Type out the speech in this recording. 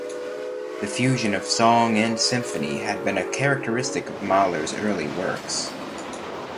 The fusion of song and symphony had been a characteristic of Mahler's early works.